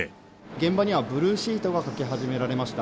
現場にはブルーシートがかけ始められました。